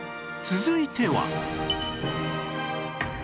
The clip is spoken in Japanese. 続いては